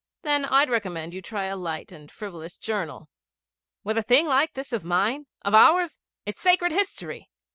'Then I'd recommend you to try a light and frivolous journal.' 'With a thing like this of mine of ours? It's sacred history!'